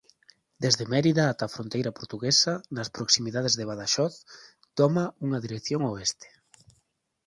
Dende Mérida ata a fronteira portuguesa nas proximidades de Badaxoz toma unha dirección oeste.